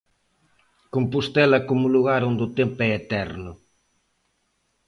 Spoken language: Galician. Compostela como lugar onde o tempo é eterno.